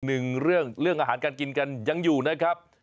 หนึ่งเรื่องเรื่องอาหารการกินกันยังอยู่นะครับ